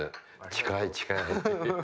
近い近い。